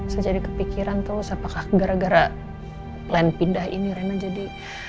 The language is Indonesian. saya jadi kepikiran terus apakah gara gara plan pindah ini rena jadi